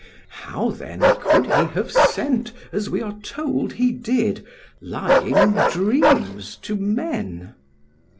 How then could he have sent, as we are told he did, lying dreams to men?